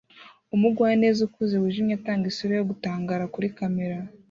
Umugwaneza ukuze wijimye atanga isura yo gutangara kuri kamera